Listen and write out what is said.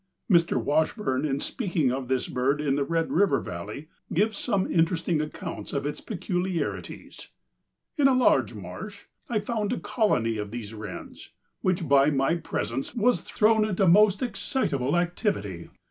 Mr. Washburn, in speaking of this bird in the Red River valley, gives some interesting accounts of its peculiarities. "In a large marsh I found a colony of these wrens, which by my presence was thrown into most excitable activity.